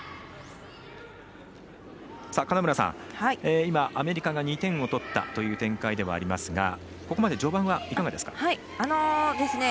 金村さん、今、アメリカが２点を取ったという展開ではありますがここまで序盤はいかがですか？